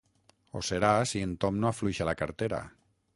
Ho serà si en Tom no afluixa la cartera.